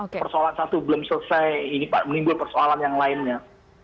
persoalan satu belum selesai ini menimbul persoalan yang lainnya